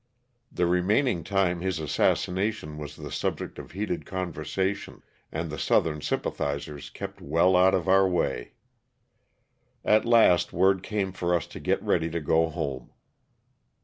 The remaining time his assassination was the subject of heated conversation, and the southern sympathizers kept well out of our way. At last word came for us to get ready to go home.